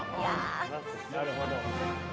なるほど。